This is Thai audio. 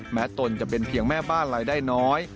ตนจะเป็นเพียงแม่บ้านรายได้น้อย